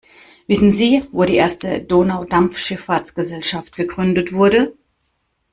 Wissen Sie, wo die erste Donaudampfschifffahrtsgesellschaft gegründet wurde?